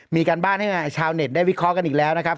มีการบ้านให้ชาวเน็ตได้วิเคราะห์กันอีกแล้วนะครับ